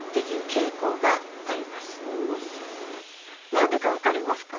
何でか分かりますか？